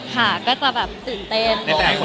ค่ะก็จะแบบตื่นเต้น